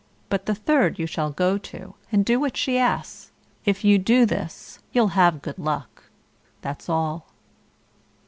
But the third you shall go to, and do what she asks. If you do this, you'll have good luck that's all."